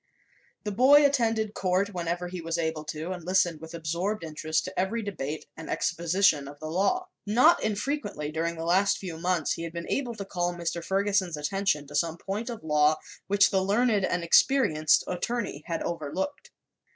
The boy attended court whenever he was able to and listened with absorbed interest to every debate and exposition of the law. Not infrequently, during the last few months, he had been able to call Mr. Ferguson's attention to some point of law which the learned and experienced attorney had overlooked.